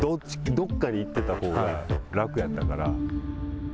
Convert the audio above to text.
どっかに行ってたほうが楽やったから。